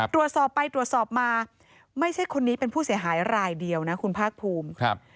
ตรวจสอบไปตรวจสอบมาไม่ใช่คนนี้เป็นผู้เสียหายรายเดียวนะคุณภาคภูมิครับ